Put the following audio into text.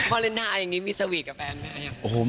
วาเลนไทยอย่างนี้มีสวีทกับแฟนไหม